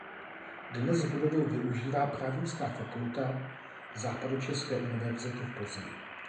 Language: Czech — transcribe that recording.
Dnes budovu využívá Právnická fakulta Západočeské univerzity v Plzni.